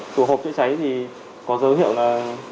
tủ hộp chữa cháy thì có dấu hiệu là